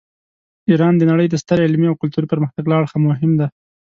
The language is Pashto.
ایران د نړۍ د ستر علمي او کلتوري پرمختګ له اړخه مهم دی.